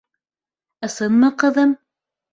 — Ысынмы, ҡыҙым?